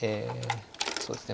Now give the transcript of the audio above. そうですね